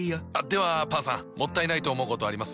ではパンさんもったいないと思うことあります？